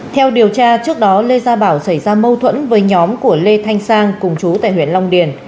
theo điều tra trước đó lê gia bảo xảy ra mâu thuẫn với nhóm của lê thanh sang cùng chú tại huyện long điền